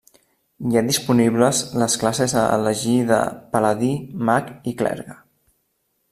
Hi ha disponibles les classes a elegir de: paladí, mag, i clergue.